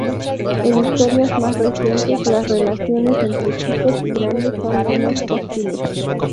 En historias más recientes las relaciones entre chicos y grandes son menos hostiles.